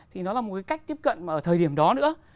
thì nó là một cái cách tiếp cận mà ở thời điểm đó nữa